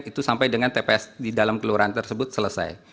itu sampai dengan tps di dalam kelurahan tersebut selesai